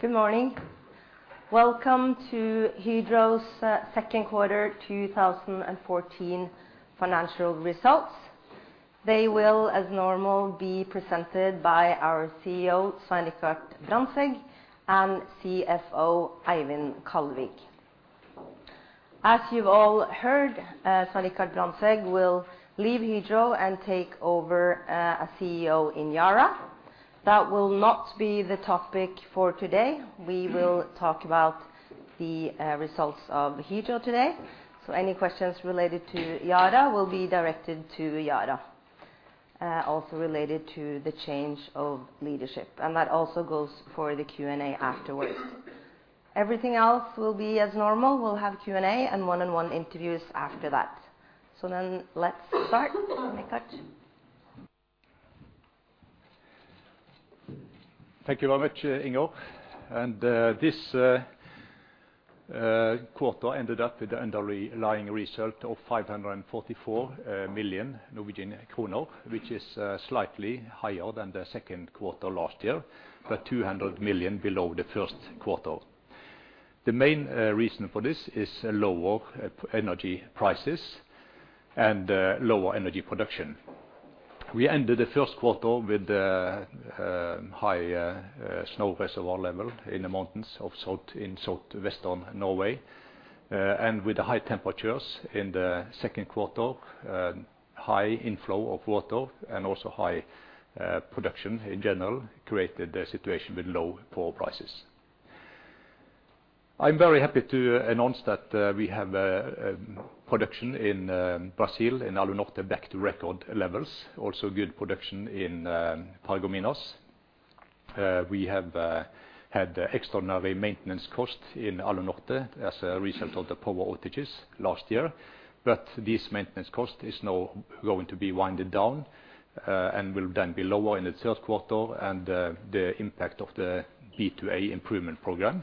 Good morning. Welcome to Hydro's second quarter 2014 financial results. They will, as normal, be presented by our CEO, Svein Brandtzæg, and CFO, Eivind Kallevik. As you've all heard, Svein Brandtzæg will leave Hydro and take over as CEO in Yara. That will not be the topic for today. We will talk about the results of Hydro today. Any questions related to Yara will be directed to Yara, also related to the change of leadership, and that also goes for the Q&A afterwards. Everything else will be as normal. We'll have Q&A and one-on-one interviews after that. Let's start. Svein Richard. Thank you very much, Inge. This quarter ended up with the underlying result of 544 million Norwegian kroner, which is slightly higher than the second quarter last year, but 200 million below the first quarter. The main reason for this is lower energy prices and lower energy production. We ended the first quarter with high snow reservoir level in the mountains of southwestern Norway. With the high temperatures in the second quarter, high inflow of water and also high production in general created a situation with low power prices. I'm very happy to announce that we have production in Brazil in Alunorte back to record levels, also good production in Paragominas. We have had extraordinary maintenance costs in Alunorte as a result of the power outages last year. This maintenance cost is now going to be wound down and will then be lower in the third quarter, and the impact of the B2A improvement program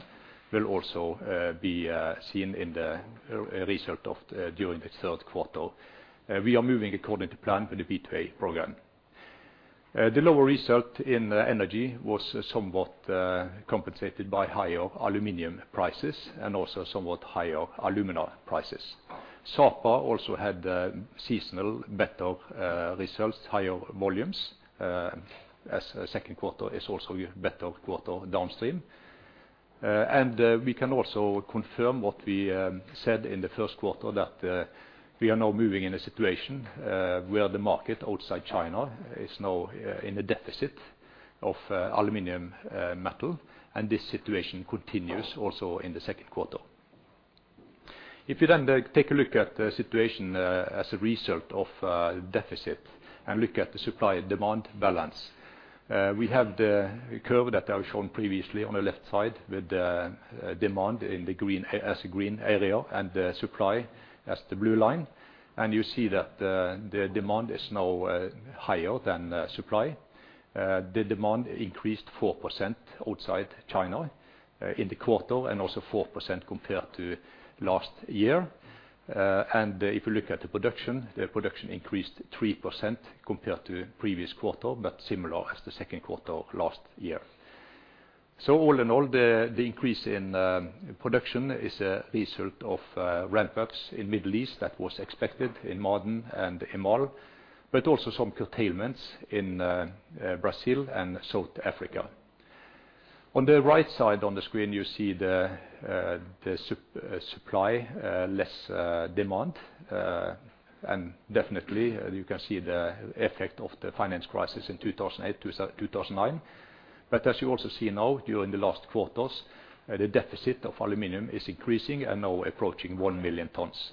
will also be seen in the result during the third quarter. We are moving according to plan with the B2A program. The lower result in energy was somewhat compensated by higher aluminum prices and also somewhat higher alumina prices. Sapa also had seasonal better results, higher volumes, as second quarter is also better quarter downstream. We can also confirm what we said in the first quarter, that we are now moving in a situation where the market outside China is now in a deficit of aluminum metal, and this situation continues also in the second quarter. If you then take a look at the situation as a result of deficit and look at the supply and demand balance, we have the curve that I've shown previously on the left side with the demand in the green, as a green area, and the supply as the blue line. You see that the demand is now higher than supply. The demand increased 4% outside China in the quarter and also 4% compared to last year. If you look at the production, the production increased 3% compared to previous quarter, but similar as the second quarter of last year. All in all, the increase in production is a result of ramp-ups in Middle East that was expected in Ma'aden and EMAL, but also some curtailments in Brazil and South Africa. On the right side on the screen, you see the supply less demand. Definitely you can see the effect of the financial crisis in 2008-2009. As you also see now during the last quarters, the deficit of aluminum is increasing and now approaching 1 million tons.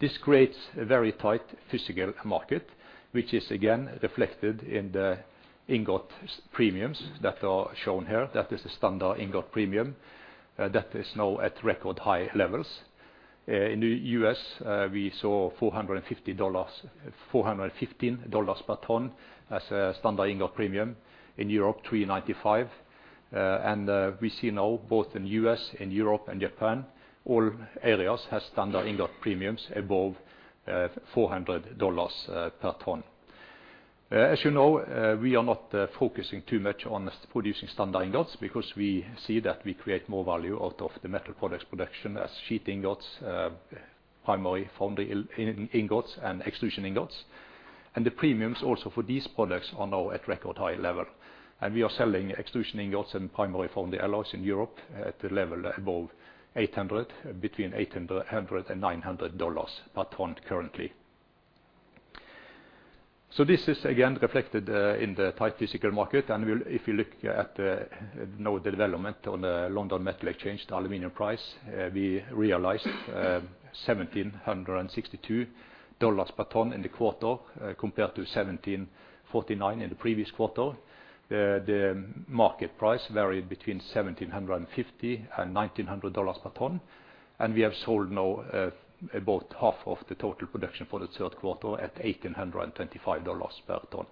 This creates a very tight physical market, which is again reflected in the ingot premiums that are shown here. That is a standard ingot premium that is now at record high levels. In the U.S., we saw $450, $415 per ton as a standard ingot premium. In Europe, $395. We see now both in U.S., in Europe and Japan, all areas has standard ingot premiums above $400 per ton. As you know, we are not focusing too much on producing standard ingots because we see that we create more value out of the metal products production as sheet ingots, primary foundry ingots and extrusion ingots. The premiums also for these products are now at record high level. We are selling extrusion ingots and primary foundry alloys in Europe at a level above $800, between $800-$900 per ton currently. This is again reflected in the tight physical market. Well, if you look at now the development on the London Metal Exchange, the aluminum price, we realized $1,762 per ton in the quarter compared to $1,749 in the previous quarter. The market price varied between $1,750 and $1,900 per ton. We have sold now about half of the total production for the third quarter at $1,825 per ton.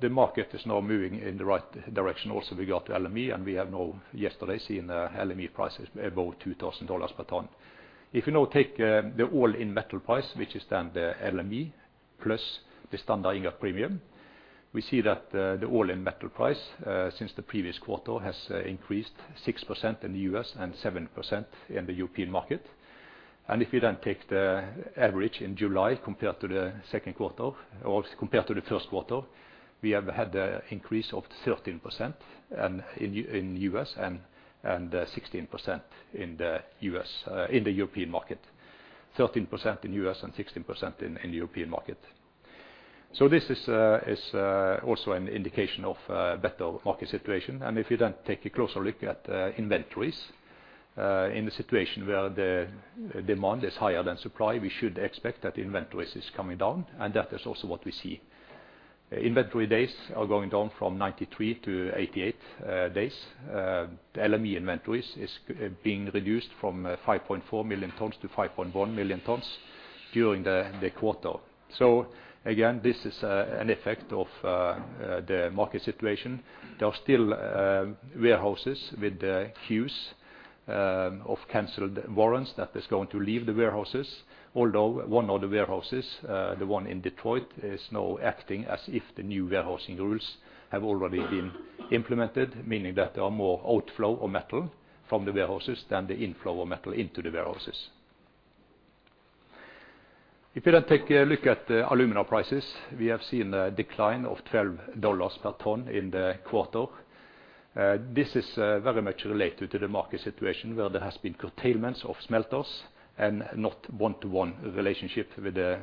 The market is now moving in the right direction also with regard to LME, and we have now yesterday seen LME prices above $2,000 per ton. If you now take the all-in metal price, which is then the LME plus the standard ingot premium. We see that the all-in metal price since the previous quarter has increased 6% in the U.S. and 7% in the European market. If you then take the average in July compared to the second quarter, or compared to the first quarter, we have had a increase of 13% in U.S. And 16% in the European market. This is also an indication of better market situation. If you then take a closer look at inventories in the situation where the demand is higher than supply, we should expect that inventories is coming down, and that is also what we see. Inventory days are going down from 93-88 days. LME inventories is being reduced from 5.4 million tons to 5.1 million tons during the quarter. Again, this is an effect of the market situation. There are still warehouses with queues of canceled warrants that is going to leave the warehouses, although one of the warehouses, the one in Detroit, is now acting as if the new warehousing rules have already been implemented, meaning that there are more outflow of metal from the warehouses than the inflow of metal into the warehouses. If you then take a look at the alumina prices, we have seen a decline of $12 per ton in the quarter. This is very much related to the market situation, where there has been curtailments of smelters and not one-to-one relationship with the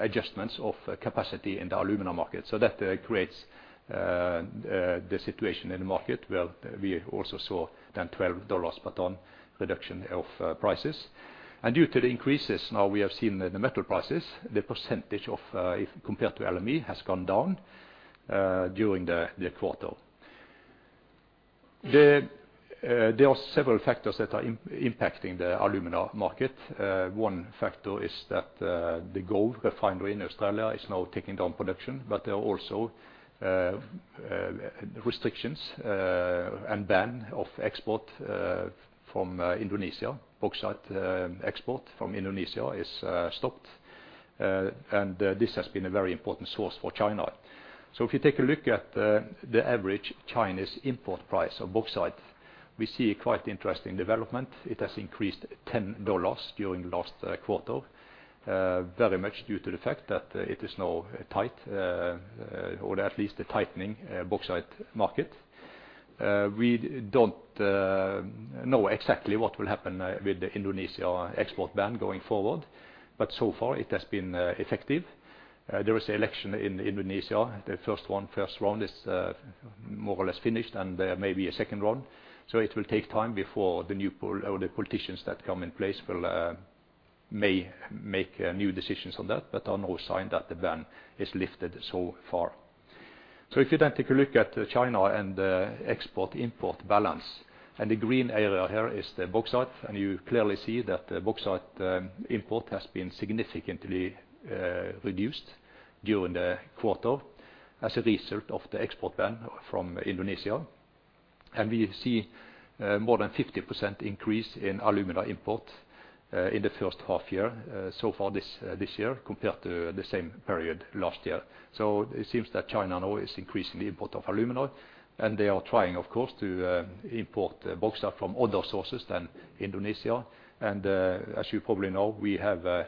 adjustments of capacity in the alumina market. That creates the situation in the market, where we also saw then $12 per ton reduction of prices. Due to the increases now we have seen in the metal prices, the percentage of, if compared to LME, has gone down during the quarter. There are several factors that are impacting the alumina market. One factor is that the Gove refinery in Australia is now taking down production, but there are also restrictions and ban of export from Indonesia. Bauxite export from Indonesia is stopped. This has been a very important source for China. If you take a look at the average Chinese import price of bauxite, we see a quite interesting development. It has increased $10 during last quarter, very much due to the fact that it is now tight, or at least a tightening bauxite market. We don't know exactly what will happen with the Indonesia export ban going forward, but so far it has been effective. There is election in Indonesia. The first round is more or less finished, and there may be a second round. It will take time before the new politicians that come in place will may make new decisions on that, but there are no signs that the ban is lifted so far. If you then take a look at China and the export-import balance, and the green area here is the bauxite, and you clearly see that the bauxite import has been significantly reduced during the quarter as a result of the export ban from Indonesia. We see more than 50% increase in alumina import in the first half year so far this year, compared to the same period last year. It seems that China now is increasing the import of alumina, and they are trying, of course, to import bauxite from other sources than Indonesia. As you probably know, we have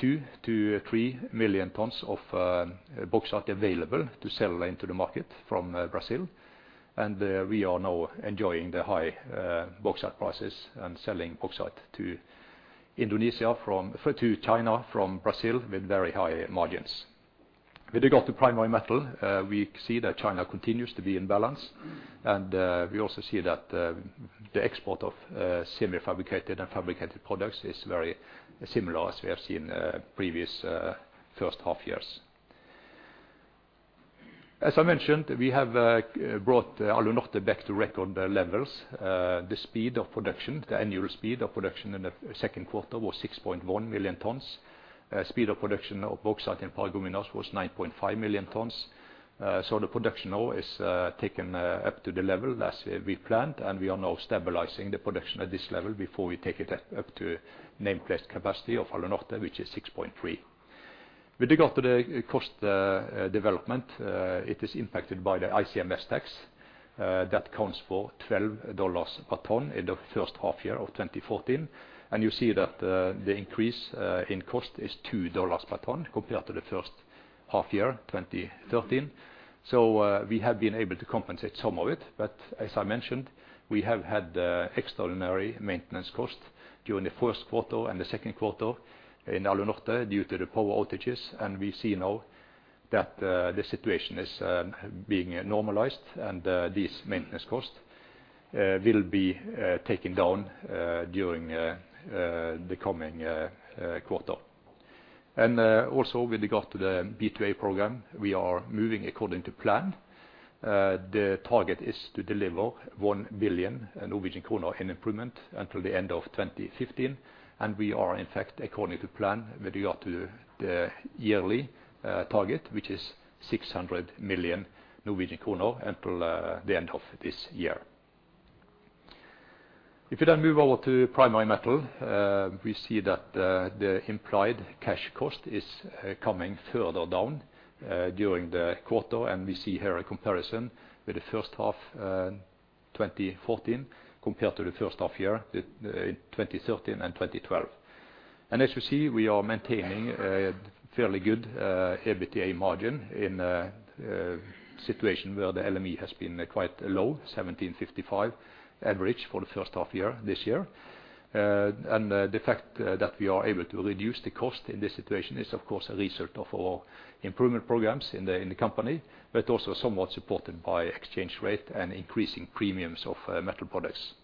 2-3 million tons of bauxite available to sell into the market from Brazil. We are now enjoying the high bauxite prices and selling bauxite to Indonesia from. To China from Brazil with very high margins. With regard to Primary Metal, we see that China continues to be in balance. We also see that the export of semi-fabricated and fabricated products is very similar, as we have seen previous first half years. As I mentioned, we have brought Alunorte back to record levels. The speed of production, the annual speed of production in the second quarter was 6.1 million tons. Speed of production of bauxite in Paragominas was 9.5 million tons. The production now is taken up to the level as we planned, and we are now stabilizing the production at this level before we take it up to nameplate capacity of Alunorte, which is 6.3. With regard to the cost development, it is impacted by the ICMS tax. That accounts for $12 a ton in the first half year of 2014. You see that the increase in cost is $2 per ton compared to the first half year 2013. We have been able to compensate some of it. As I mentioned, we have had extraordinary maintenance costs during the first quarter and the second quarter in Alunorte due to the power outages. We see now that the situation is being normalized, and these maintenance costs will be taken down during the coming quarter. Also with regard to the B2A program, we are moving according to plan. The target is to deliver 1 billion Norwegian kroner in improvement until the end of 2015. We are in fact according to plan with regard to the yearly target, which is 600 million Norwegian kroner until the end of this year. If you then move over to Primary Metal, we see that the implied cash cost is coming further down during the quarter, and we see here a comparison with the first half 2014 compared to the first half year in 2013 and 2012. As you see, we are maintaining a fairly good EBITDA margin in a situation where the LME has been quite low, $1,755 average for the first half year this year. The fact that we are able to reduce the cost in this situation is, of course, a result of our improvement programs in the company, but also somewhat supported by exchange rate and increasing premiums of metal products.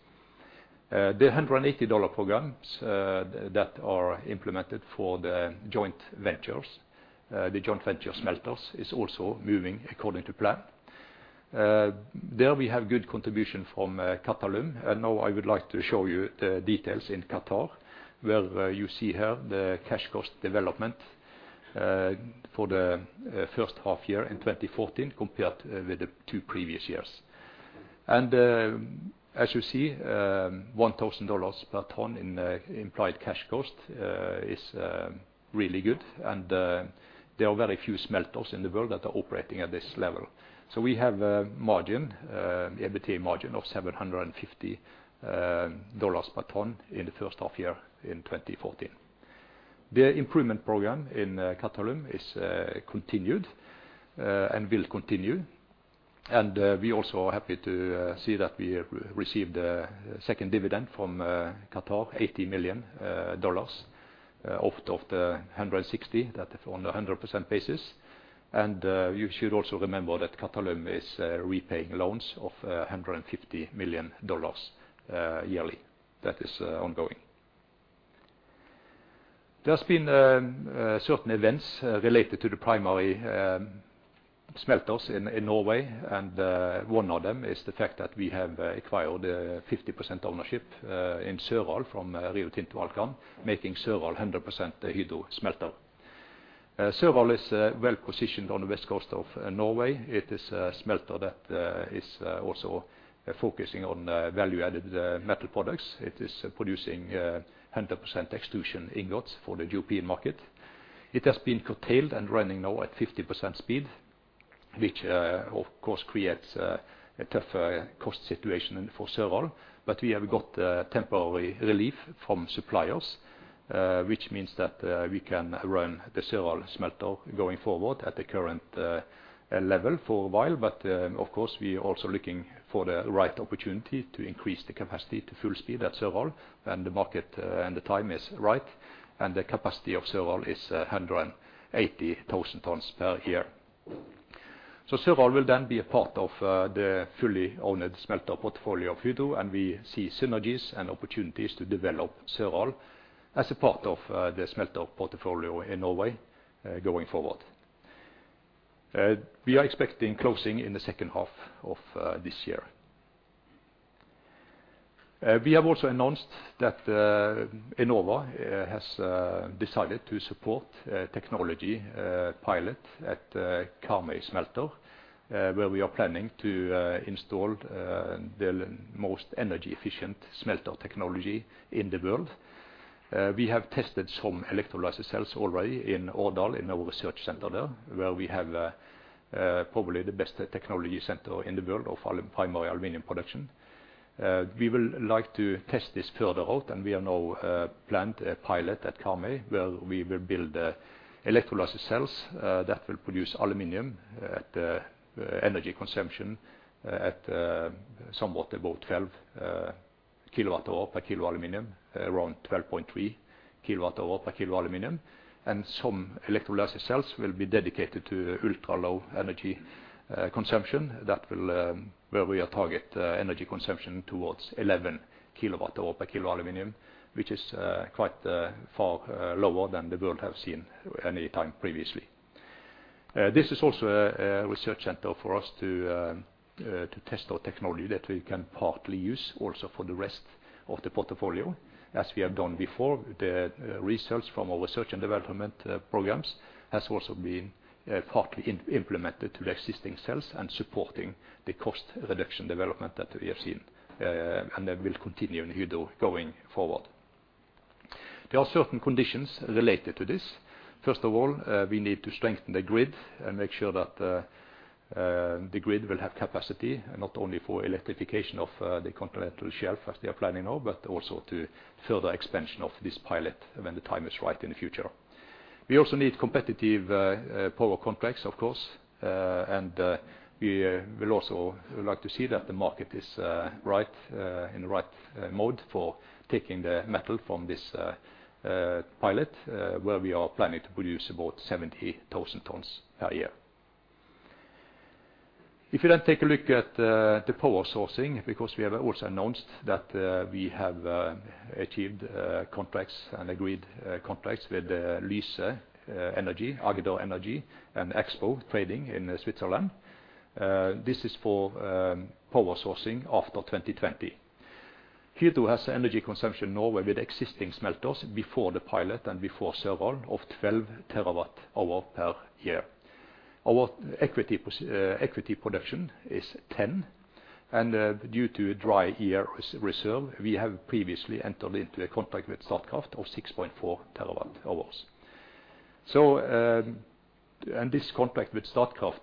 The $180 programs that are implemented for the joint ventures, the joint venture smelters, is also moving according to plan. There we have good contribution from Qatalum, and now I would like to show you the details in Qatar, where you see here the cash cost development for the first half year in 2014 compared with the two previous years. As you see, $1,000 per ton in implied cash cost is really good, and there are very few smelters in the world that are operating at this level. We have a margin, EBITDA margin of $750 per ton in the first half year in 2014. The improvement program in Qatalum is continued and will continue. We also are happy to see that we have received a second dividend from Qatar, $80 million out of the 160 that on the 100% basis. You should also remember that Qatalum is repaying loans of $150 million yearly. That is ongoing. There's been certain events related to the primary smelters in Norway, and one of them is the fact that we have acquired a 50% ownership in Søral from Rio Tinto Alcan, making Søral 100% a Hydro smelter. Søral is well positioned on the west coast of Norway. It is a smelter that is also focusing on value-added metal products. It is producing 100% extrusion ingots for the European market. It has been curtailed and running now at 50% speed, which of course creates a tough cost situation for Søral. We have got a temporary relief from suppliers, which means that we can run the Søral smelter going forward at the current level for a while. Of course, we're also looking for the right opportunity to increase the capacity to full speed at Søral when the market and the time is right, and the capacity of Søral is 180,000 tons per year. Søral will then be a part of the fully owned smelter portfolio of Hydro, and we see synergies and opportunities to develop Søral as a part of the smelter portfolio in Norway going forward. We are expecting closing in the second half of this year. We have also announced that Enova has decided to support a technology pilot at Karmøy Smelter, where we are planning to install the most energy-efficient smelter technology in the world. We have tested some electrolysis cells already in Årdal, in our research center there, where we have probably the best technology center in the world of primary aluminum production. We would like to test this further out, and we have now planned a pilot at Karmøy, where we will build electrolysis cells that will produce aluminum at energy consumption at somewhat above 12 kWh per kg of aluminum, around 12.3 kWh per kg of aluminum. Some electrolysis cells will be dedicated to ultra-low energy consumption that will target energy consumption towards 11 kWh per kg of aluminum, which is quite far lower than the world have seen any time previously. This is also a research center for us to test our technology that we can partly use also for the rest of the portfolio. As we have done before, the research from our research and development programs has also been partly implemented to the existing cells and supporting the cost reduction development that we have seen, and that will continue in Hydro going forward. There are certain conditions related to this. First of all, we need to strengthen the grid and make sure that the grid will have capacity, not only for electrification of the continental shelf, as we are planning now, but also to further expansion of this pilot when the time is right in the future. We also need competitive power contracts, of course. We will also like to see that the market is right in the right mode for taking the metal from this pilot where we are planning to produce about 70,000 tons a year. If you then take a look at the power sourcing, because we have also announced that we have achieved contracts and agreed contracts with Lyse Energi, Agder Energi, and Axpo Trading in Switzerland. This is for power sourcing after 2020. Hydro has energy consumption in Norway with existing smelters before the pilot and before Søral of 12 TWh per year. Our equity production is 10. Due to dry year reserve, we have previously entered into a contract with Statkraft of 6.4 TWh. This contract with Statkraft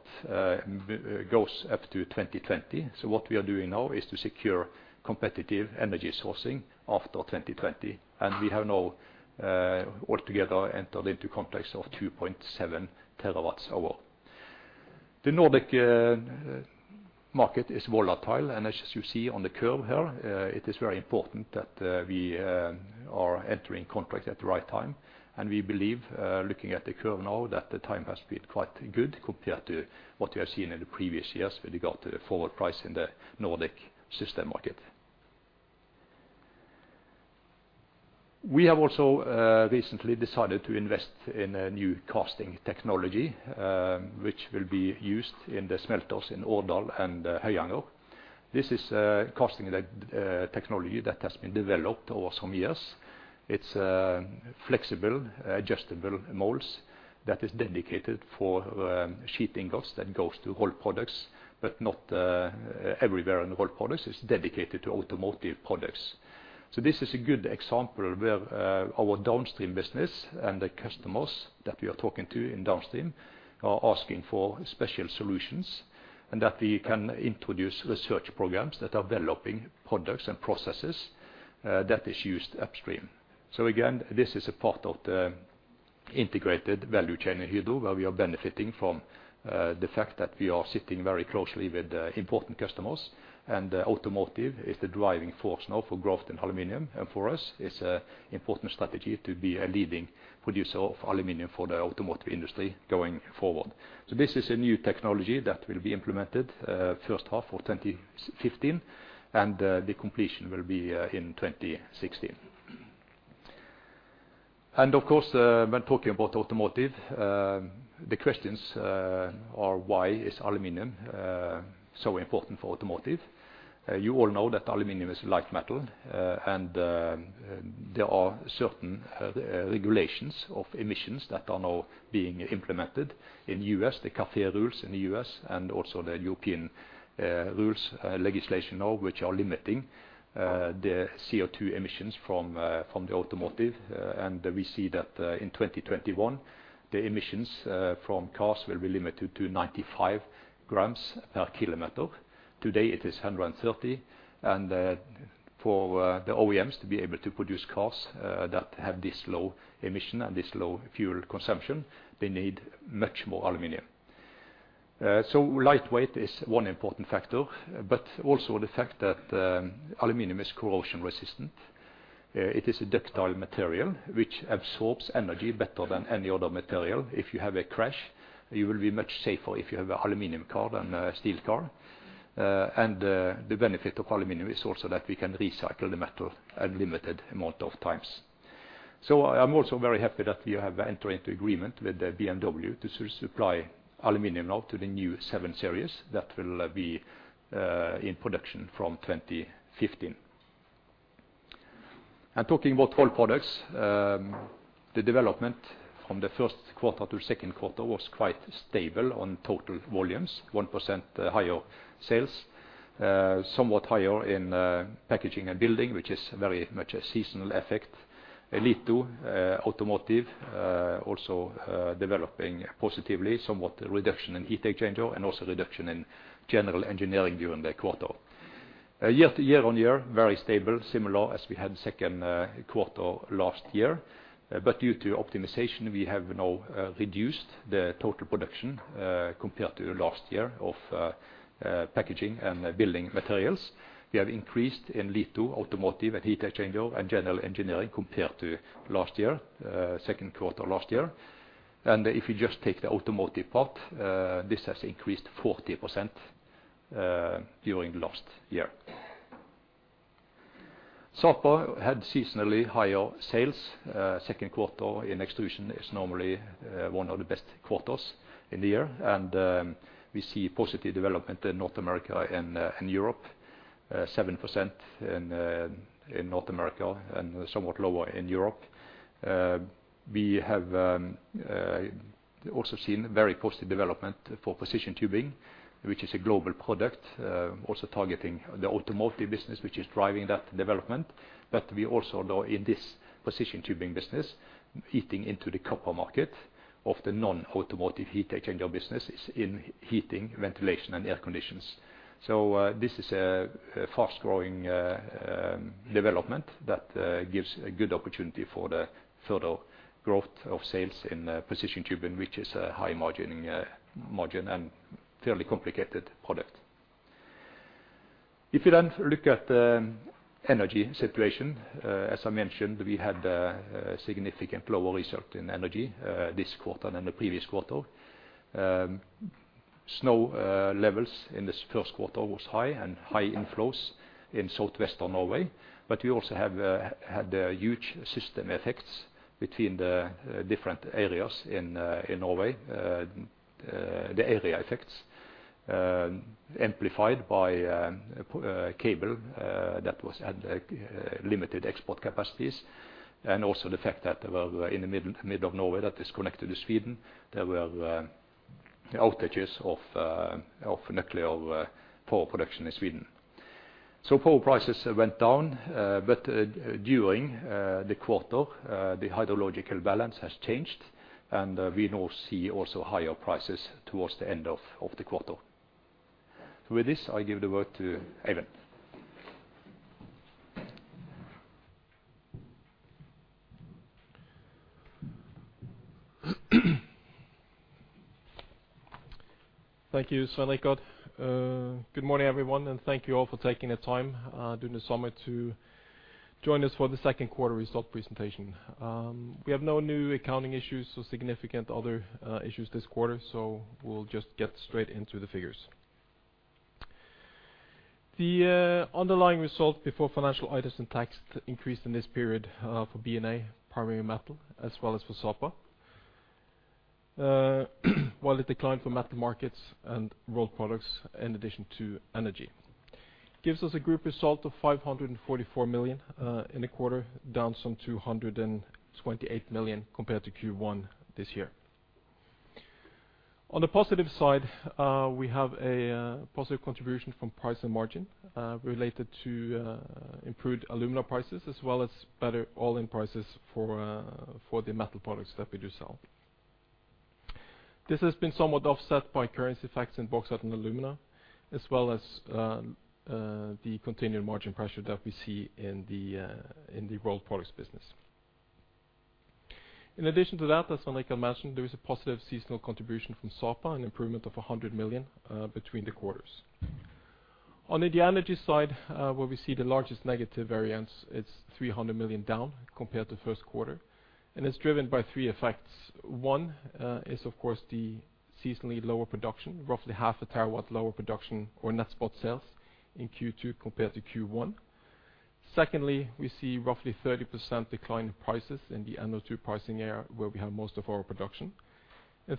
goes up to 2020. What we are doing now is to secure competitive energy sourcing after 2020. We have now altogether entered into contracts of 2.7 TWh. The Nordic market is volatile, and as you see on the curve here, it is very important that we are entering contracts at the right time. We believe, looking at the curve now that the time has been quite good compared to what we have seen in the previous years with regard to the forward price in the Nordic system market. We have also recently decided to invest in a new casting technology, which will be used in the smelters in Årdal and Høyanger. This is a casting technology that has been developed over some years. It's flexible, adjustable molds that is dedicated for sheet ingots that goes to Rolled Products, but not everywhere in Rolled Products. It's dedicated to automotive products. This is a good example where our downstream business and the customers that we are talking to in downstream are asking for special solutions, and that we can introduce research programs that are developing products and processes that is used upstream. Again, this is a part of the integrated value chain in Hydro, where we are benefiting from the fact that we are sitting very closely with important customers. Automotive is the driving force now for growth in aluminum. For us, it's an important strategy to be a leading producer of aluminum for the automotive industry going forward. This is a new technology that will be implemented first half of 2015, and the completion will be in 2016. Of course, when talking about automotive, the questions are why is aluminum so important for automotive? You all know that aluminum is a light metal, and there are certain regulations of emissions that are now being implemented in U.S., the CAFE rules in the U.S., and also the European rules legislation now which are limiting the CO2 emissions from the automotive. We see that in 2021, the emissions from cars will be limited to 95 g per kilometer. Today, it is 130. For the OEMs to be able to produce cars that have this low emission and this low fuel consumption, they need much more aluminum. Lightweight is one important factor, but also the fact that aluminum is corrosion resistant. It is a ductile material which absorbs energy better than any other material. If you have a crash, you will be much safer if you have an aluminum car than a steel car. The benefit of aluminum is also that we can recycle the metal unlimited amount of times. I'm also very happy that we have entered into agreement with BMW to supply aluminum now to the new 7 Series that will be in production from 2015. Talking about Rolled Products, the development from the first quarter to second quarter was quite stable on total volumes, 1% higher sales. Somewhat higher in packaging and building, which is very much a seasonal effect. Litho, automotive, also developing positively, somewhat reduction in heat exchanger and also reduction in general engineering during the quarter. Year-on-year, very stable, similar as we had second quarter last year. Due to optimization, we have now reduced the total production compared to last year of packaging and building materials. We have increased in litho, automotive, and heat exchanger, and general engineering compared to last year, second quarter last year. If you just take the automotive part, this has increased 40% during last year. Sapa had seasonally higher sales. Second quarter in extrusion is normally one of the best quarters in the year. We see positive development in North America and in Europe, 7% in North America and somewhat lower in Europe. We have also seen very positive development for precision tubing, which is a global product, also targeting the automotive business which is driving that development. We also know in this precision tubing business, eating into the copper market of the non-automotive heat exchanger business is in heating, ventilation, and air conditioning. This is a fast-growing development that gives a good opportunity for the further growth of sales in precision tubing, which is a high margin and fairly complicated product. If you then look at energy situation, as I mentioned, we had a significant lower result in energy this quarter than the previous quarter. Snow levels in this first quarter was high, and high inflows in Southwestern Norway. We also have had huge system effects between the different areas in Norway, the area effects. Amplified by cable that was at limited export capacities, and also the fact that in the middle of Norway that is connected to Sweden, there were outages of nuclear power production in Sweden. Power prices went down, but during the quarter the hydrological balance has changed, and we now see also higher prices towards the end of the quarter. With this, I give the word to Eivind. Thank you, Svein. Good morning, everyone, and thank you all for taking the time during the summer to join us for the second quarter result presentation. We have no new accounting issues or significant other issues this quarter, so we'll just get straight into the figures. The underlying result before financial items and tax increased in this period for B&A, Primary Metal, as well as for Sapa. While it declined for Metal Markets and Rolled Products, in addition to Energy. Gives us a group result of 544 million in the quarter, down some 228 million compared to Q1 this year. On the positive side, we have a positive contribution from price and margin related to improved alumina prices, as well as better all-in prices for the metal products that we do sell. This has been somewhat offset by currency effects in bauxite and alumina, as well as the continued margin pressure that we see in the Rolled Products business. In addition to that, as Svein mentioned, there is a positive seasonal contribution from Sapa, an improvement of 100 million between the quarters. On the energy side, where we see the largest negative variance, it's 300 million down compared to first quarter, and it's driven by three effects. One is of course the seasonally lower production, roughly 0.5 TWh lower production or net spot sales in Q2 compared to Q1. Secondly, we see roughly 30% decline in prices in the NO2 pricing area where we have most of our production.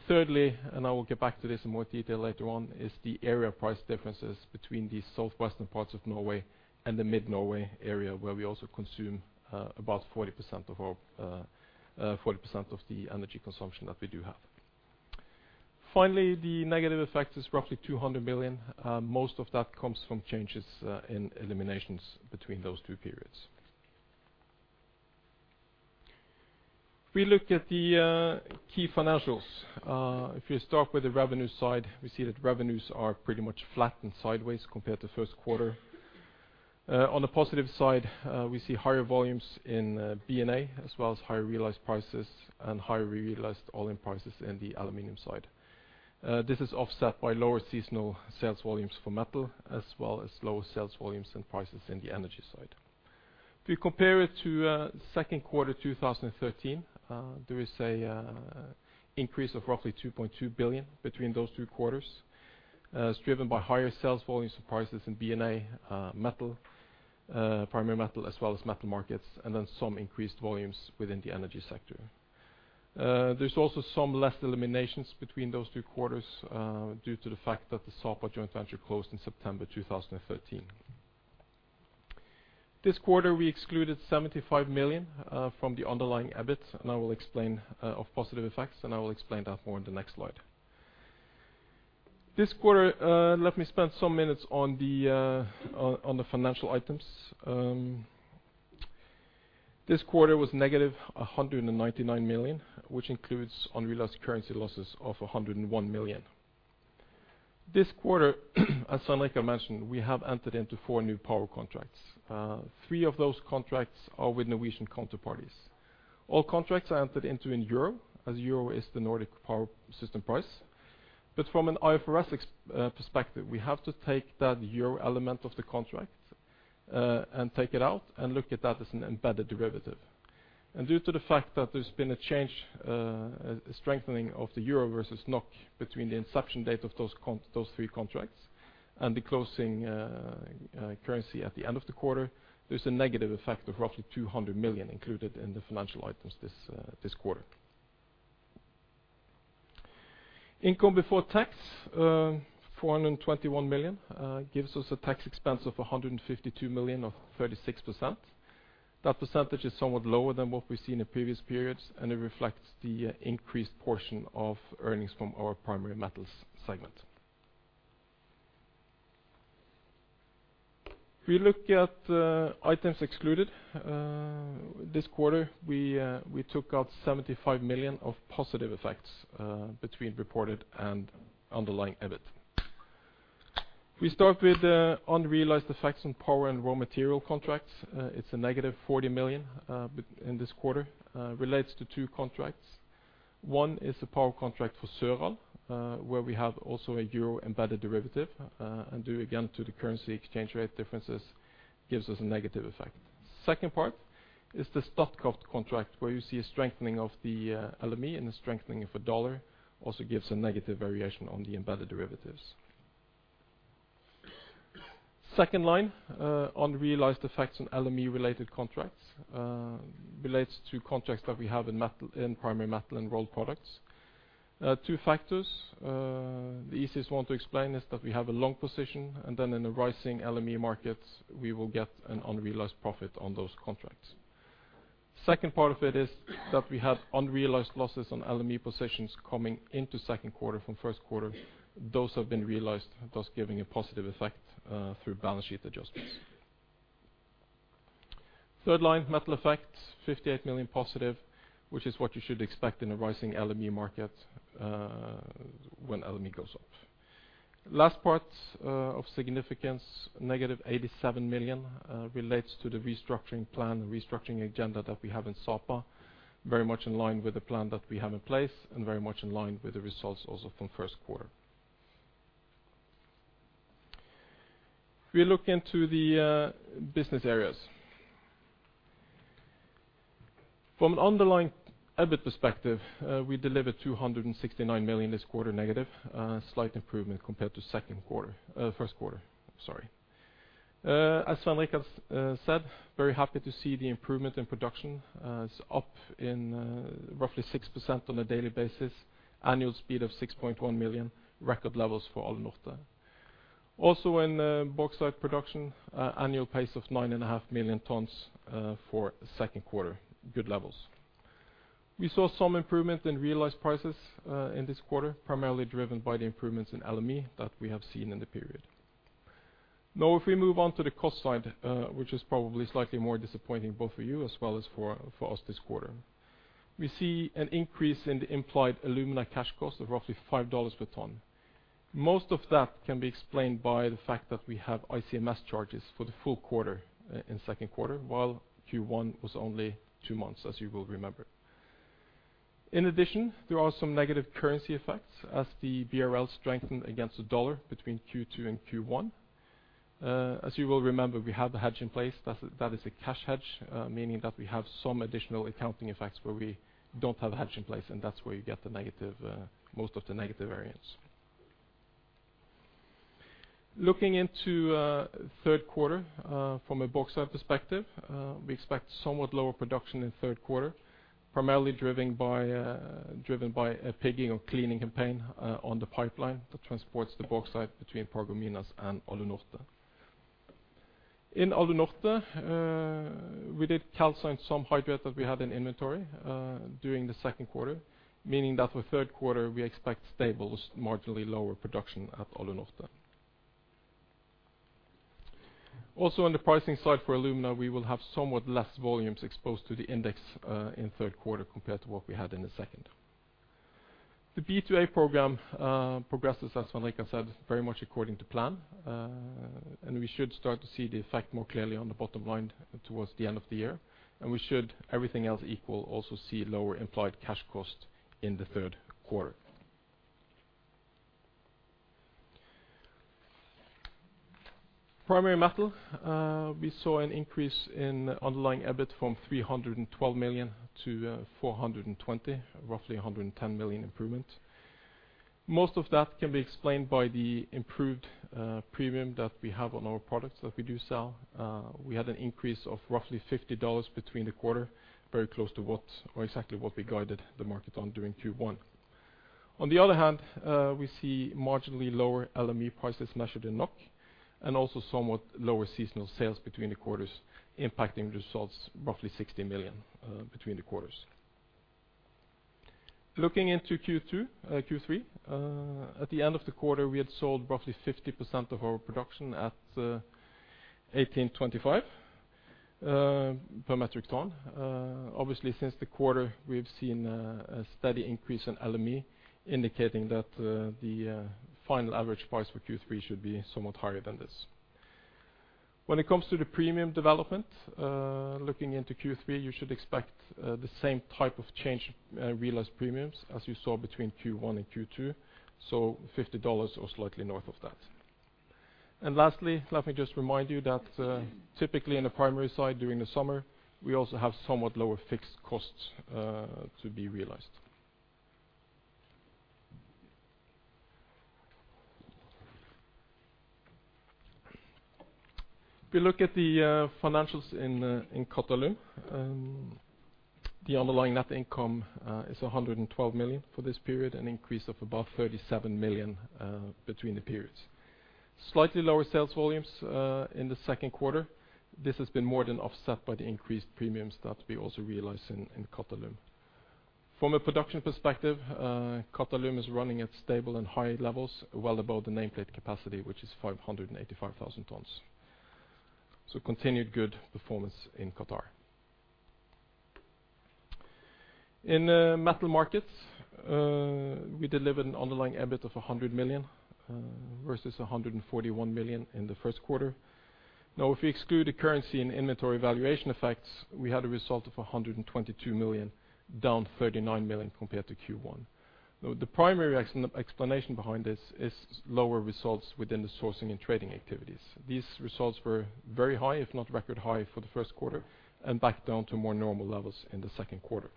Thirdly, and I will get back to this in more detail later on, is the area price differences between the southwestern parts of Norway and the mid-Norway area where we also consume about 40% of our energy consumption that we do have. Finally, the negative effect is roughly 200 million. Most of that comes from changes in eliminations between those two periods. If we look at the key financials, if you start with the revenue side, we see that revenues are pretty much flat and sideways compared to first quarter. On the positive side, we see higher volumes in B&A, as well as higher realized prices and higher realized all-in prices in the aluminum side. This is offset by lower seasonal sales volumes for metal, as well as lower sales volumes and prices in the energy side. If you compare it to second quarter 2013, there is an increase of roughly 2.2 billion between those two quarters. It's driven by higher sales volumes and prices in B&A, Metal, Primary Metal, as well as Metal Markets, and then some increased volumes within the energy sector. There's also some less eliminations between those two quarters, due to the fact that the Sapa joint venture closed in September 2013. This quarter, we excluded 75 million from the underlying EBIT, and I will explain those positive effects, and I will explain that more in the next slide. This quarter, let me spend some minutes on the financial items. This quarter was -199 million, which includes unrealized currency losses of 101 million. This quarter, as Svein mentioned, we have entered into four new power contracts. Three of those contracts are with Norwegian counterparties. All contracts are entered into in euro, as euro is the Nordic power system price. From an IFRS perspective, we have to take that euro element of the contract and take it out and look at that as an embedded derivative. Due to the fact that there's been a change, strengthening of the euro versus NOK between the inception date of those three contracts and the closing currency at the end of the quarter, there's a negative effect of roughly 200 million included in the financial items this quarter. Income before tax 421 million gives us a tax expense of 152 million of 36%. That percentage is somewhat lower than what we've seen in previous periods, and it reflects the increased portion of earnings from our Primary Metal segment. If we look at items excluded this quarter, we took out 75 million of positive effects between reported and underlying EBIT. We start with the unrealized effects on power and raw material contracts. It's a -40 million in this quarter. Relates to two contracts. One is the power contract for Søral, where we have also a euro-embedded derivative, and due again to the currency exchange rate differences gives us a negative effect. Second part is the Statkraft contract, where you see a strengthening of the LME and a strengthening of the U.S. dollar also gives a negative variation on the embedded derivatives. Second line, unrealized effects on LME related contracts, relates to contracts that we have in Primary Metal and Rolled Products. Two factors. The easiest one to explain is that we have a long position, and then in the rising LME markets, we will get an unrealized profit on those contracts. Second part of it is that we have unrealized losses on LME positions coming into second quarter from first quarter. Those have been realized, thus giving a positive effect, through balance sheet adjustments. Third line, metal effects, 58 million positive, which is what you should expect in a rising LME market, when LME goes up. Last part, of significance, -87 million, relates to the restructuring plan, the restructuring agenda that we have in Sapa, very much in line with the plan that we have in place and very much in line with the results also from first quarter. If we look into the business areas. From an underlying EBIT perspective, we delivered 269 million this quarter negative, slight improvement compared to first quarter. Sorry. As Svein said, very happy to see the improvement in production is up in roughly 6% on a daily basis, annual speed of 6.1 million, record levels for Alunorte. Also in bauxite production, an annual pace of 9.5 million tons for second quarter, good levels. We saw some improvement in realized prices in this quarter, primarily driven by the improvements in LME that we have seen in the period. Now if we move on to the cost side, which is probably slightly more disappointing both for you as well as for us this quarter. We see an increase in the implied alumina cash cost of roughly $5 per ton. Most of that can be explained by the fact that we have ICMS charges for the full quarter in second quarter, while Q1 was only two months, as you will remember. In addition, there are some negative currency effects as the BRL strengthened against the dollar between Q2 and Q1. As you will remember, we have the hedge in place. That is a cash hedge, meaning that we have some additional accounting effects where we don't have a hedge in place, and that's where you get the negative, most of the negative variance. Looking into third quarter, from a bauxite perspective, we expect somewhat lower production in third quarter, primarily driven by a pigging or cleaning campaign on the pipeline that transports the bauxite between Paragominas and Alunorte. In Alunorte, we did calcine some hydrate that we had in inventory during the second quarter, meaning that for third quarter we expect stable to marginally lower production at Alunorte. Also on the pricing side for alumina, we will have somewhat less volumes exposed to the index in third quarter compared to what we had in the second. The B2A program progresses, as Svein Richard Brandtzæg said, very much according to plan. We should start to see the effect more clearly on the bottom line towards the end of the year. We should, everything else equal, also see lower implied cash costs in the third quarter. Primary Metal, we saw an increase in underlying EBIT from 312 million to 420 million, roughly a 110 million improvement. Most of that can be explained by the improved premium that we have on our products that we do sell. We had an increase of roughly $50 between the quarters, very close to what or exactly what we guided the market on during Q1. On the other hand, we see marginally lower LME prices measured in NOK and also somewhat lower seasonal sales between the quarters impacting results roughly 60 million between the quarters. Looking into Q3, at the end of the quarter, we had sold roughly 50% of our production at $1,825 per metric ton. Obviously, since the quarter, we have seen a steady increase in LME indicating that the final average price for Q3 should be somewhat higher than this. When it comes to the premium development, looking into Q3, you should expect the same type of change in realized premiums as you saw between Q1 and Q2, so $50 or slightly north of that. Lastly, let me just remind you that typically in the primary side during the summer, we also have somewhat lower fixed costs to be realized. If we look at the financials in Qatalum, the underlying net income is 112 million for this period, an increase of about 37 million between the periods. Slightly lower sales volumes in the second quarter. This has been more than offset by the increased premiums that we also realize in Qatalum. From a production perspective, Qatalum is running at stable and high levels, well above the nameplate capacity, which is 585,000 tons. Continued good performance in Qatar. In Metal Markets, we delivered an underlying EBIT of 100 million versus 141 million in the first quarter. Now if we exclude the currency and inventory valuation effects, we had a result of 122 million, down 39 million compared to Q1. The primary explanation behind this is lower results within the sourcing and trading activities. These results were very high, if not record high for the first quarter, and back down to more normal levels in the second quarter.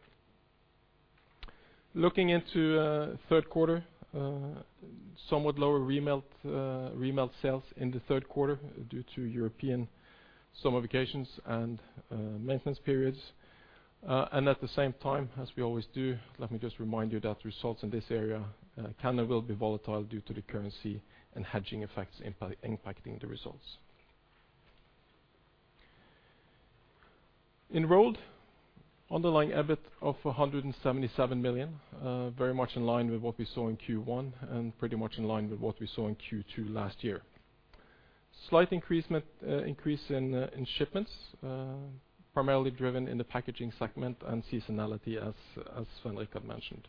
Looking into the third quarter, somewhat lower remelt sales in the third quarter due to European summer vacations and maintenance periods. At the same time, as we always do, let me just remind you that results in this area can and will be volatile due to the currency and hedging effects impacting the results. Rolled Products underlying EBIT of 177 million, very much in line with what we saw in Q1 and pretty much in line with what we saw in Q2 last year. Slight increase in shipments, primarily driven in the packaging segment and seasonality as Svein Richard Brandtzæg mentioned.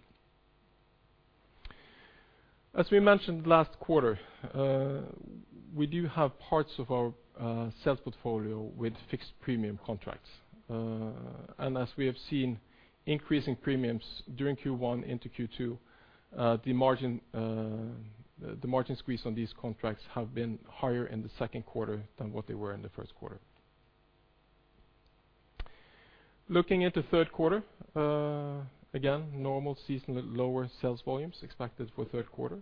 As we mentioned last quarter, we do have parts of our sales portfolio with fixed premium contracts. As we have seen increasing premiums during Q1 into Q2, the margin squeeze on these contracts have been higher in the second quarter than what they were in the first quarter. Looking at the third quarter, again, normal seasonal lower sales volumes expected for third quarter.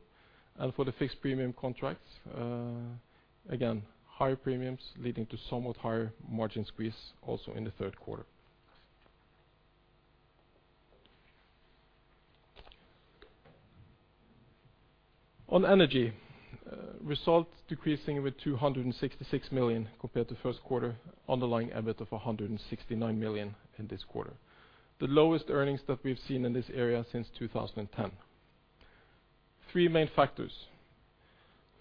For the fixed premium contracts, again, higher premiums leading to somewhat higher margin squeeze also in the third quarter. On energy, results decreasing with 266 million compared to first quarter underlying EBIT of 169 million in this quarter. The lowest earnings that we've seen in this area since 2010. Three main factors.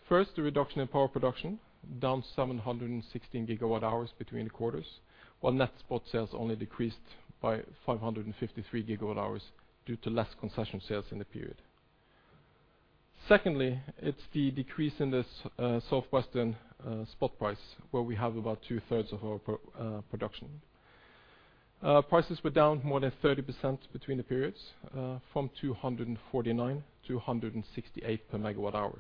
First, the reduction in power production down 716 GWh between the quarters, while net spot sales only decreased by 553 GWh due to less concession sales in the period. Secondly, it's the decrease in the southwestern spot price, where we have about two-thirds of our production. Prices were down more than 30% between the periods, from 249-268 per MWh.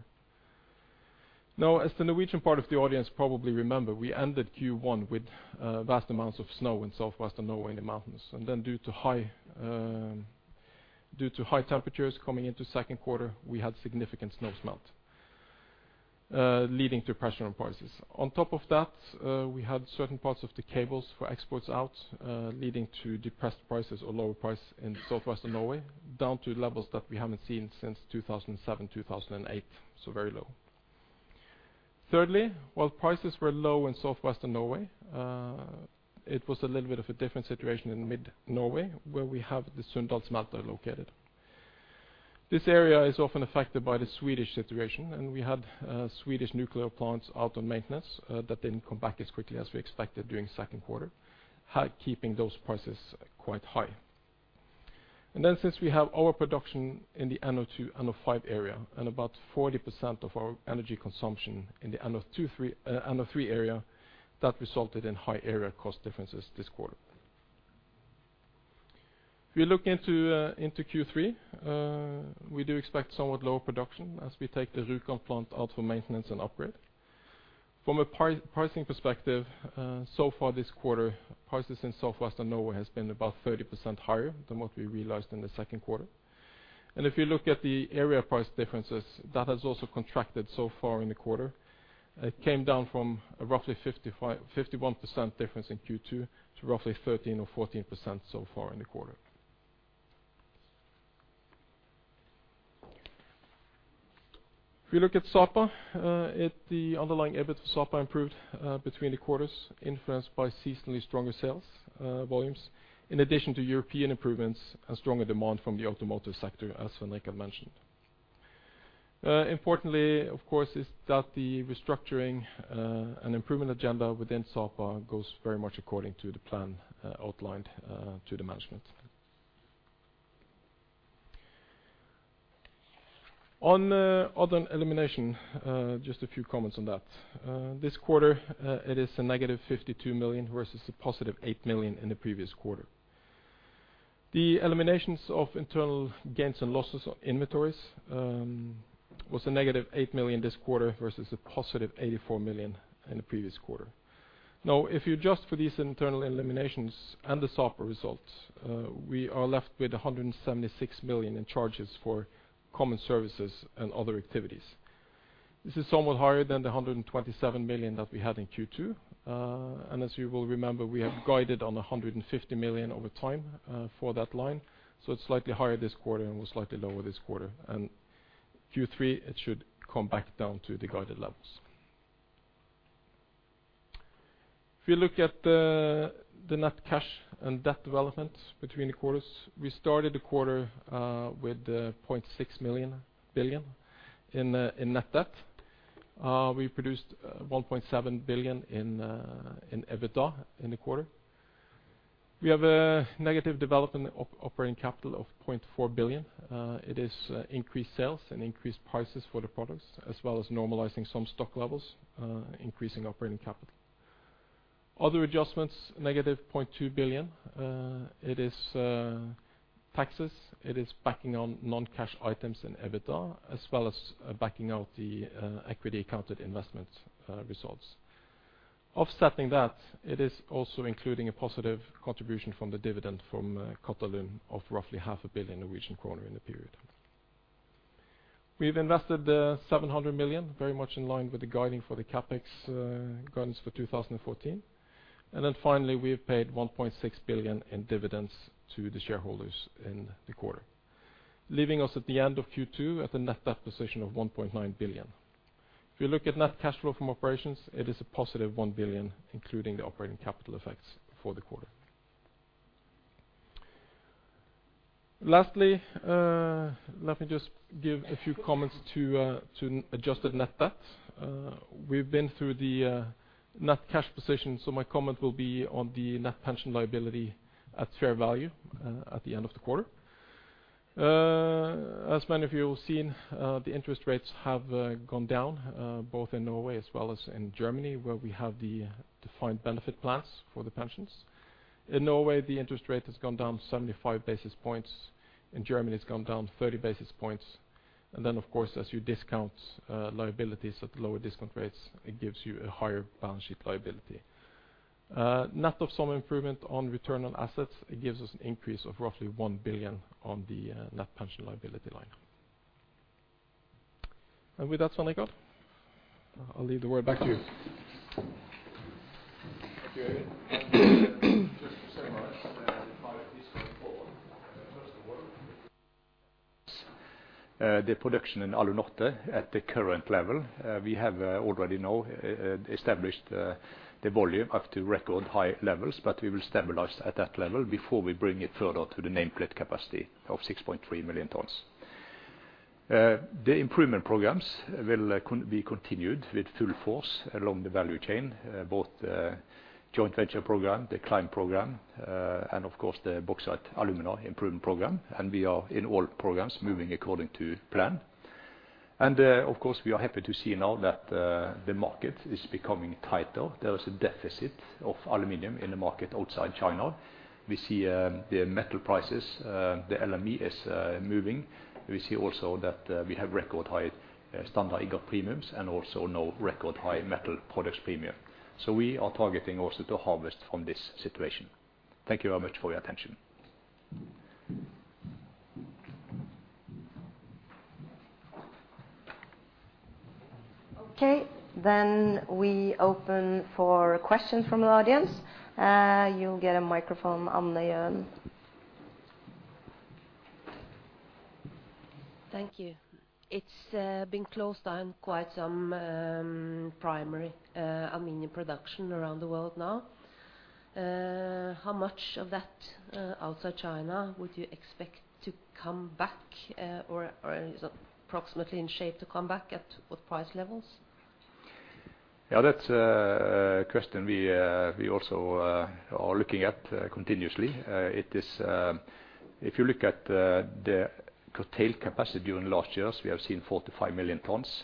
Now, as the Norwegian part of the audience probably remember, we ended Q1 with vast amounts of snow in southwestern Norway in the mountains. Due to high temperatures coming into second quarter, we had significant snow melt, leading to pressure on prices. On top of that, we had certain parts of the cables for exports out, leading to depressed prices or lower price in southwestern Norway, down to levels that we haven't seen since 2007, 2008, so very low. Thirdly, while prices were low in southwestern Norway, it was a little bit of a different situation in mid Norway, where we have the Sunndal smelter located. This area is often affected by the Swedish situation, and we had Swedish nuclear plants out on maintenance that didn't come back as quickly as we expected during second quarter, keeping those prices quite high. Since we have our production in the NO2, NO5 area and about 40% of our energy consumption in the NO3 area, that resulted in high area cost differences this quarter. If you look into Q3, we do expect somewhat lower production as we take the Rjukan plant out for maintenance and upgrade. From a pricing perspective, so far this quarter, prices in southwestern Norway has been about 30% higher than what we realized in the second quarter. If you look at the area price differences, that has also contracted so far in the quarter. It came down from a roughly 51% difference in Q2 to roughly 13% or 14% so far in the quarter. If you look at Sapa, at the underlying EBIT for Sapa improved between the quarters influenced by seasonally stronger sales volumes, in addition to European improvements and stronger demand from the automotive sector, as Svein mentioned. Importantly, of course, is that the restructuring and improvement agenda within Sapa goes very much according to the plan outlined to the management. On other elimination, just a few comments on that. This quarter, it is -52 million versus 8 million in the previous quarter. The eliminations of internal gains and losses on inventories was -8 million this quarter versus 84 million in the previous quarter. If you adjust for these internal eliminations and the Sapa results, we are left with 176 million in charges for common services and other activities. This is somewhat higher than the 127 million that we had in Q2. As you will remember, we have guided on 150 million over time, for that line. It's slightly higher this quarter and was slightly lower this quarter. Q3, it should come back down to the guided levels. If you look at the net cash and debt development between the quarters, we started the quarter with 0.6 billion in net debt. We produced 1.7 billion in EBITDA in the quarter. We have a negative development operating capital of 0.4 billion. It is increased sales and increased prices for the products, as well as normalizing some stock levels, increasing operating capital. Other adjustments, -0.2 billion. Taxes. It is backing out non-cash items in EBITDA as well as backing out the equity accounted investment results. Offsetting that, it is also including a positive contribution from the dividend from Qatalum of roughly half a billion Norwegian kroner in the period. We've invested 700 million, very much in line with the CapEx guidance for 2014. Then finally, we have paid 1.6 billion in dividends to the shareholders in the quarter, leaving us at the end of Q2 at a net debt position of 1.9 billion. If you look at net cash flow from operations, it is a positive 1 billion, including the operating capital effects for the quarter. Lastly, let me just give a few comments to adjusted net debt. We've been through the net cash position, so my comment will be on the net pension liability at fair value at the end of the quarter. As many of you have seen, the interest rates have gone down both in Norway as well as in Germany, where we have the defined benefit plans for the pensions. In Norway, the interest rate has gone down 75 basis points. In Germany, it's gone down 30 basis points. Of course, as you discount liabilities at the lower discount rates, it gives you a higher balance sheet liability. Net of some improvement on return on assets, it gives us an increase of roughly 1 billion on the net pension liability line. With that, Svein, I'll leave the word back to you. Thank you, Eivind. Just to summarize, my piece going forward. First of all, the production in Alunorte at the current level, we have already now established the volume up to record high levels, but we will stabilize at that level before we bring it further to the nameplate capacity of 6.3 million tons. The improvement programs will be continued with full force along the value chain, both joint venture program, the Climb program, and of course the Bauxite & Alumina improvement program. We are in all programs moving according to plan. Of course, we are happy to see now that the market is becoming tighter. There is a deficit of aluminum in the market outside China. We see the metal prices, the LME is moving. We see also that we have record high standard ingot premiums and also now record high metal products premium. We are targeting also to harvest from this situation. Thank you very much for your attention. Okay. We open for questions from the audience. You'll get a microphone. Thank you. It's been closed down quite some primary aluminum production around the world now. How much of that outside China would you expect to come back, or is approximately in shape to come back at what price levels? Yeah, that's a question we also are looking at continuously. It is if you look at the curtailed capacity during last years, we have seen 45 million tons,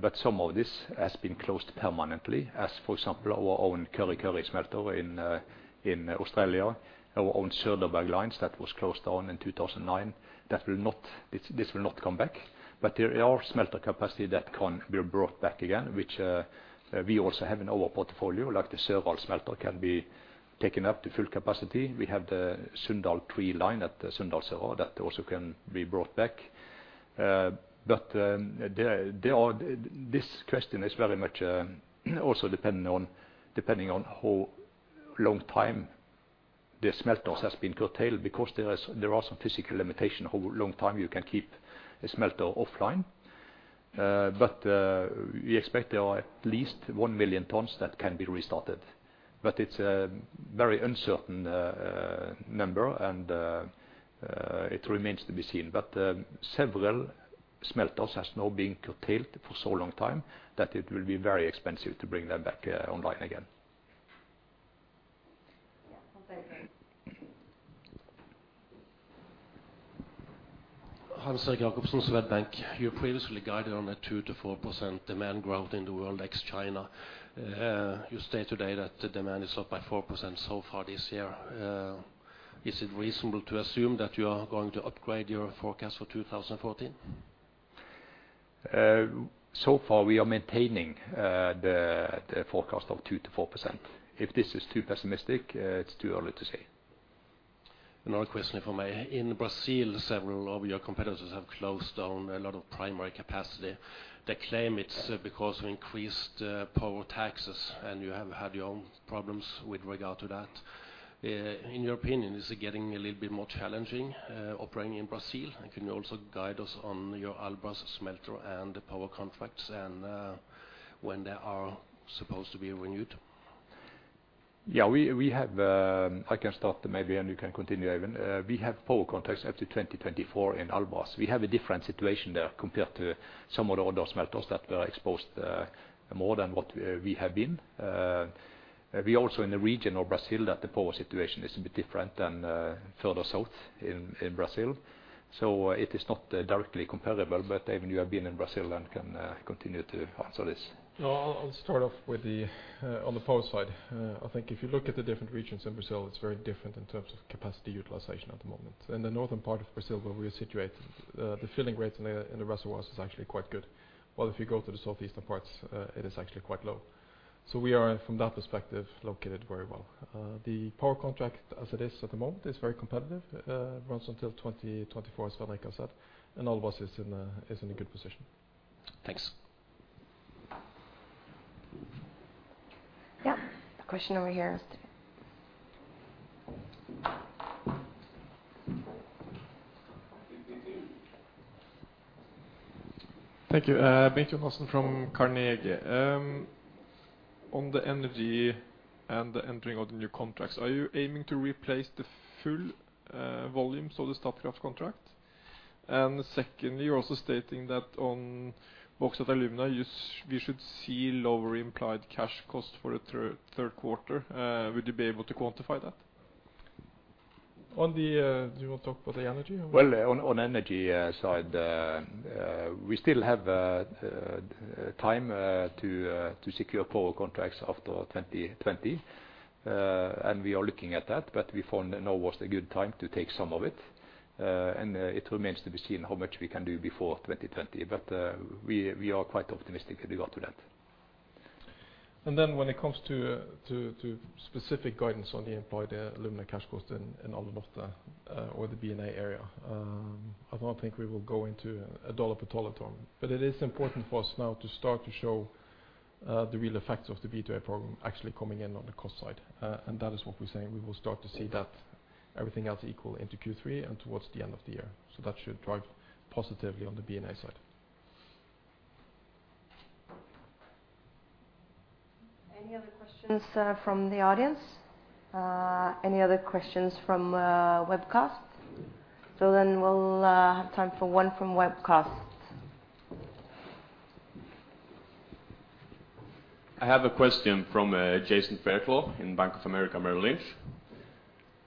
but some of this has been closed permanently. As for example, our own Kurri Kurri smelter in Australia, our own Søral line that was closed down in 2009, that will not come back. There are smelter capacity that can be brought back again, which we also have in our portfolio, like the Søral smelter can be taken up to full capacity. We have the Sunndal pre-line at the Sunndal Søderberg that also can be brought back. This question is very much also dependent on how long time the smelters has been curtailed because there are some physical limitation how long time you can keep a smelter offline. We expect there are at least 1 million tons that can be restarted. It's a very uncertain number, and it remains to be seen. Several smelters has now been curtailed for so long time that it will be very expensive to bring them back online again. Yeah. Thank you. Hans Jacobsen, Swedbank. You previously guided on a 2%-4% demand growth in the world ex-China. You state today that the demand is up by 4% so far this year. Is it reasonable to assume that you are going to upgrade your forecast for 2014? So far, we are maintaining the forecast of 2%-4%. If this is too pessimistic, it's too early to say. Another question from me. In Brazil, several of your competitors have closed down a lot of primary capacity. They claim it's because of increased power taxes, and you have had your own problems with regard to that. In your opinion, is it getting a little bit more challenging, operating in Brazil? And can you also guide us on your Albras smelter and the power contracts and, when they are supposed to be renewed? Yeah, we have. I can start maybe, and you can continue, Eivind. We have power contracts up to 2024 in Albras. We have a different situation there compared to some of the other smelters that were exposed more than what we have been. We also in the region of Brazil that the power situation is a bit different than further south in Brazil. It is not directly comparable, but Eivind, you have been in Brazil and can continue to answer this. No, I'll start off with the on the power side. I think if you look at the different regions in Brazil, it's very different in terms of capacity utilization at the moment. In the northern part of Brazil, where we are situated, the filling rates in the reservoirs is actually quite good. While if you go to the southeastern parts, it is actually quite low. We are from that perspective located very well. The power contract as it is at the moment is very competitive, runs until 2024, so like I said, and all of us is in a good position. Thanks. Yeah. A question over here. Thank you. Bengt Jonassen from Carnegie. On the energy and the entering of the new contracts, are you aiming to replace the full volumes of the Statkraft contract? Secondly, you're also stating that on Alunorte alumina, we should see lower implied cash costs for the third quarter. Would you be able to quantify that? Do you wanna talk about the energy or? Well, on energy side, we still have time to secure power contracts after 2020. We are looking at that, but we found now was a good time to take some of it. It remains to be seen how much we can do before 2020. We are quite optimistic in regard to that. When it comes to specific guidance on the implied alumina cash costs in Alunorte, or the B&A area, I don't think we will go into a dollar per ton. It is important for us now to start to show the real effects of the B2A program actually coming in on the cost side. That is what we're saying. We will start to see that everything else equal into Q3 and towards the end of the year. That should drive positively on the B&A side. Any other questions from the audience? Any other questions from webcast? We'll have time for one from webcast. I have a question from Jason Fairclough in Bank of America Merrill Lynch.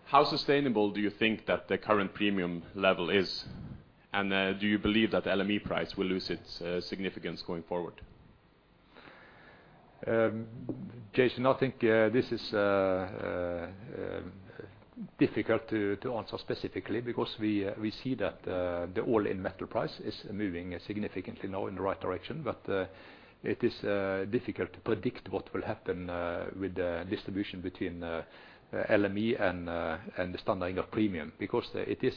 How sustainable do you think that the current premium level is? Do you believe that the LME price will lose its significance going forward? Jason, I think this is difficult to answer specifically because we see that the all-in metal price is moving significantly now in the right direction. It is difficult to predict what will happen with the distribution between LME and the standard ingot premium. Because it is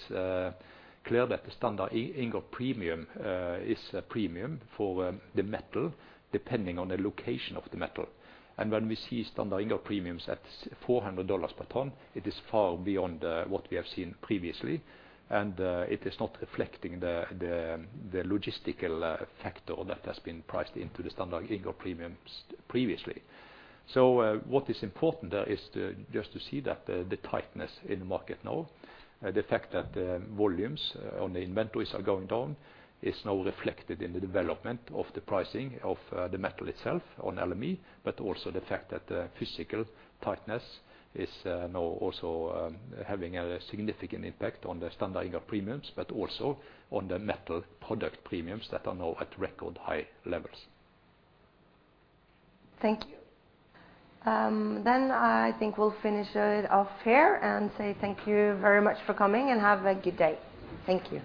clear that the standard ingot premium is a premium for the metal, depending on the location of the metal. When we see standard ingot premiums at $400 per ton, it is far beyond what we have seen previously. It is not reflecting the logistical factor that has been priced into the standard ingot premiums previously. What is important is to just see that the tightness in the market now, the fact that volumes on the inventories are going down, is now reflected in the development of the pricing of the metal itself on LME, but also the fact that the physical tightness is now also having a significant impact on the standard ingot premiums, but also on the metal product premiums that are now at record high levels. Thank you. I think we'll finish it off here and say thank you very much for coming, and have a good day. Thank you.